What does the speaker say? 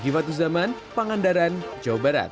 akibat zaman pengandaran jawa barat